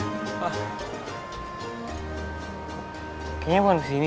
kayaknya bukan kesini